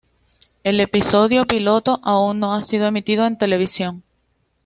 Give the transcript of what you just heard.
El episodio piloto aún no ha sido emitido en televisión.